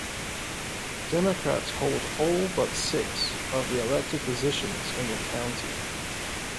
Democrats hold all but six of the elected positions in the county.